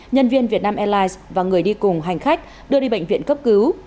nhân viên vietnam airlines và người đi cùng hành khách đưa đi bệnh viện cấp cứu